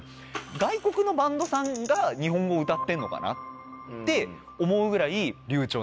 外国のバンドさんが日本語を歌ってんのかなって思うぐらい。